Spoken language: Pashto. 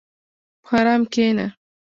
په ارام کښېنه.